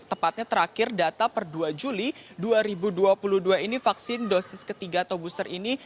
tepatnya terakhir data per dua juli dua ribu dua puluh dua ini vaksin dosis ketiga atau booster ini